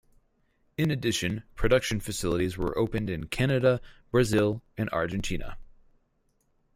In addition, production facilities were opened in Canada, Brazil and Argentina.